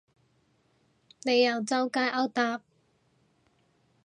你又周街勾搭